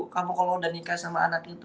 kamu kalau udah nikah sama anak itu